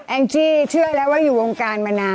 งจี้เชื่อแล้วว่าอยู่วงการมานาน